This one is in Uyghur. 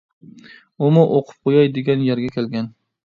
ئۇمۇ «ئوقۇپ قوياي» دېگەن يەرگە كەلگەن.